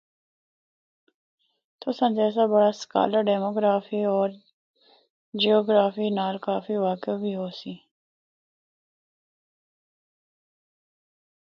تساں جیسا بڑا سکالر ڈیموٖگرافی ہو جیوگرافی نال کافی واقف بھی ہوسی۔